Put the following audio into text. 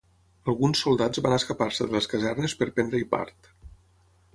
Alguns soldats van escapar-se de les casernes per prendre-hi part